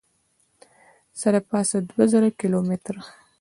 څه دپاسه دوه زره کیلو متره